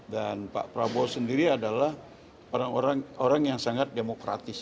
dan pak prabowo sendiri adalah orang orang yang sangat demokratis